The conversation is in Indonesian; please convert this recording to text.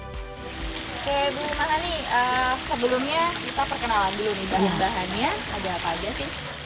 oke bu mas ani sebelumnya kita perkenalan dulu nih bahan bahannya ada apa aja sih